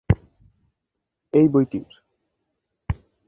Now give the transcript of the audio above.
এই বইটির।